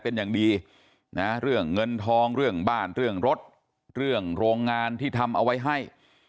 เป็นอย่างดีนะเรื่องเงินทองเรื่องบ้านเรื่องรถเรื่องโรงงานที่ทำเอาไว้ให้